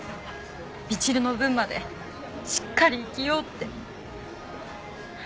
みちるの分までしっかり生きようって。